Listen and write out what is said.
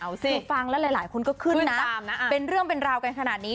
คือฟังแล้วหลายคนก็ขึ้นนะเป็นเรื่องเป็นราวกันขนาดนี้